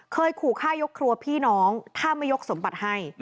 ขู่ฆ่ายกครัวพี่น้องถ้าไม่ยกสมบัติให้